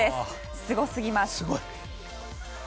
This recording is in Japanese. すごすぎます。